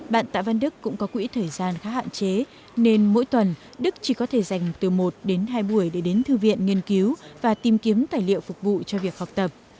bạn tạ văn đức cũng có quỹ thời gian khá hạn chế nên mỗi tuần đức chỉ có thể dành từ một đến hai buổi để đến thư viện nghiên cứu và tìm kiếm tài liệu phục vụ cho việc học tập